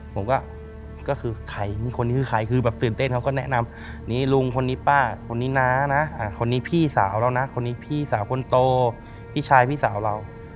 ผมก็คือใครคนนี้คือใครคือแบบตื่นเต้นเขาก็แนะนำนี่ลุงคนนี้ป้าคนนี้นะคนนี้พี่สาวเรานะคนนี้พี่สาวคนโตพี่ชายพี่สาวเรา